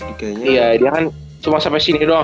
iya dia kan cuma sampai sini doang